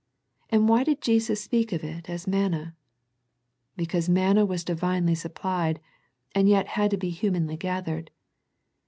And why did Jesus speak of it as manna? Because manna, was Divinely supplied, and yet had to be hu manly gathered.